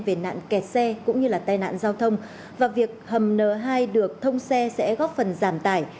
về nạn kẹt xe cũng như là tai nạn giao thông và việc hầm n hai được thông xe sẽ góp phần giảm tải